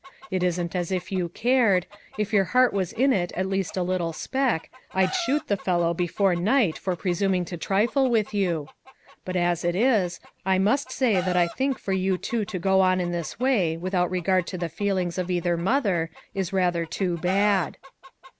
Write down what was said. It isn't as if you cared; if your heart was in it the least little speck, I'd shoot the fellow before night for presuming to trifle with you ; but as it is, I must say that I think for you two to go on in this way without regard to the feelings of either mother, is rather too bad."